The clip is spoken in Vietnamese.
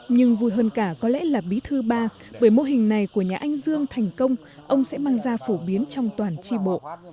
nhưng vui hơn cả có lẽ là bí thư ba bởi mô hình này của nhà anh dương thành công ông sẽ mang ra phổ biến trong toàn tri bộ